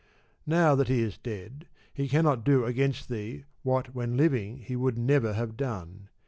Now that he is dead he cannot do against thee what when living he would never have done.